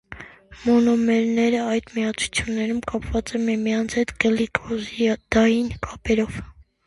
Մոնոմերները այդ միացություններում կապված են միմյանց հետ գլիկոզիդային կապերով։